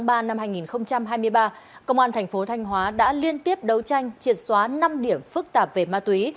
tháng ba năm hai nghìn hai mươi ba công an thành phố thanh hóa đã liên tiếp đấu tranh triệt xóa năm điểm phức tạp về ma túy